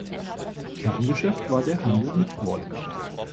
Kerngeschäft war der Handel mit Wolle.